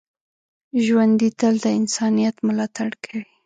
ژوندي تل د انسانیت ملاتړ کوي